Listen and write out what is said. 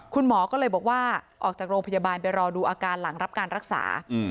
คุณหมอก็เลยบอกว่าออกจากโรงพยาบาลไปรอดูอาการหลังรับการรักษา